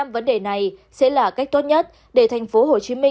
năm vấn đề này sẽ là cách tốt nhất để tp hcm